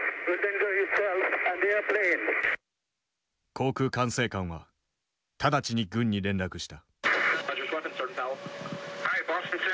航空管制官は直ちに軍に連絡した。